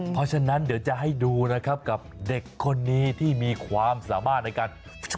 เพราะฉะนั้นเดี๋ยวจะให้ดูนะครับกับเด็กคนนี้ที่มีความสามารถในการ